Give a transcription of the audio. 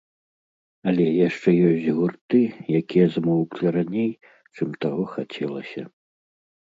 Але яшчэ ёсць гурты, якія змоўклі раней, чым таго хацелася.